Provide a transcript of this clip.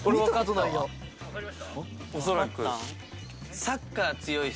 恐らく。